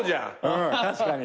うん確かに。